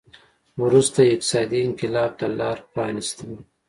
وروسته یې اقتصادي انقلاب ته لار پرانېسته.